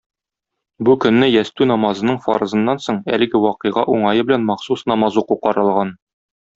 Бу көнне ястү намазының фарызыннан соң әлеге вакыйга уңае белән махсус намаз уку каралган.